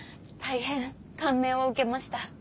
大変感銘を受けました。